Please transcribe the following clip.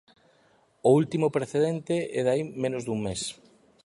O último precedente é de hai menos dun mes.